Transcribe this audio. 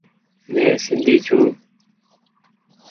مين سندي ڇون۔